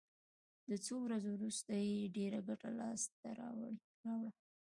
د څو ورځو وروسته یې ډېره ګټه لاس ته راوړه.